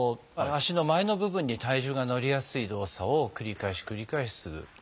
足の前の部分に体重がのりやすい動作を繰り返し繰り返しする。